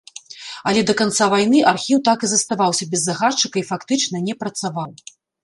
Але да канца вайны архіў так і заставаўся без загадчыка і фактычна не працаваў.